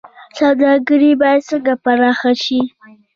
سوداګري باید څنګه پراخه شي؟